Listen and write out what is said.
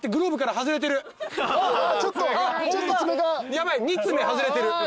ヤバい２爪外れてる。